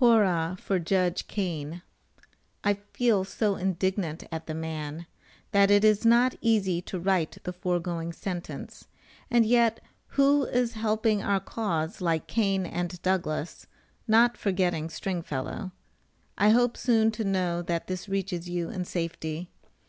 "Whorra for Judge Kane." I feel so indignant at the man, that it is not easy to write the foregoing sentence, and yet who is helping our cause like Kane and Douglas, not forgetting Stringfellow. I hope soon to know that this reaches you in safety.